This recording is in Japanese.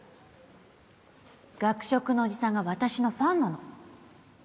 学食のおじさんが私のファンなの